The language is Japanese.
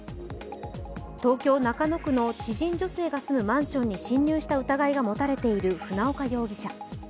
東京・中野区の知人女性のマンションに侵入した疑いが持たれている船岡容疑者。